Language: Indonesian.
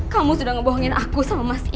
kamu sudah ngebohongin aku sama mas ika